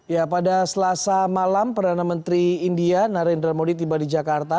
ya pada selasa malam perdana menteri india narendra modi tiba di jakarta